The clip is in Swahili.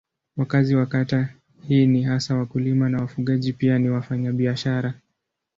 Wakazi wa kata hii ni hasa wakulima na wafugaji pia ni wafanyabiashara.